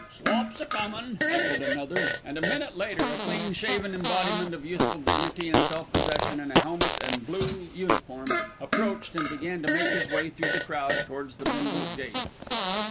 "Slop's a comin'," echoed another, and a minute later, a clean shaven embodiment of youthful dignity and self possession, in a helmet and blue uniform, approached and began to make his way through the crowd towards the Bindles' gate.